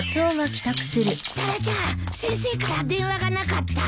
タラちゃん先生から電話がなかった？